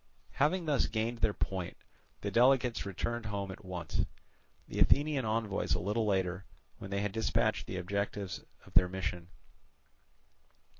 Having thus gained their point, the delegates returned home at once; the Athenian envoys a little later, when they had dispatched the objects of their mission.